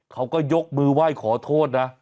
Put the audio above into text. เขาก็ยกมือไหว้ขอโทษนะ